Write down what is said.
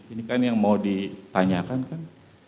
ini kan yang mau ditanyakan kan